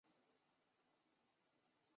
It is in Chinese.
国立政治大学政治学系毕业。